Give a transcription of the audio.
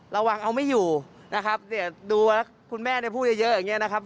ระวังเอาไม่อยู่นะครับดูว่าคุณแม่พูดเยอะอย่างนี้นะครับ